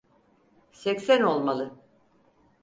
Seksen olmalı!